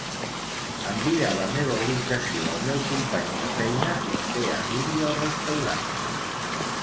Envia la meva ubicació al meu company de feina fins que arribi al restaurant.